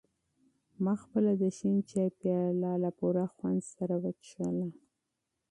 ما خپله د شین چای پیاله له پوره خوند سره وڅښله.